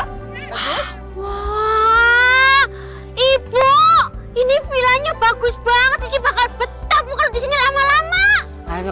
wah ibu ini villanya bagus banget ini bakal betap bukan disini lama lama